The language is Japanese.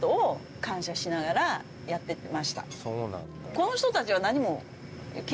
この人たちは何も。